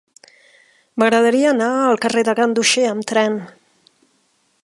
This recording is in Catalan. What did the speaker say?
M'agradaria anar al carrer de Ganduxer amb tren.